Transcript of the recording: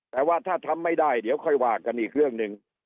แต่ว่าถ้าทำไม่ได้เดี๋ยวค่อยว่ากันอีกเรื่องหนึ่ง